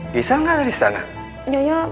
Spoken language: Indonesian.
giselle gak ada disana